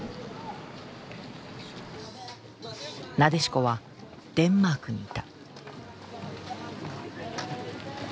なでしこはデンマークにいた。